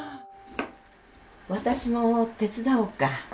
私も手伝おうか？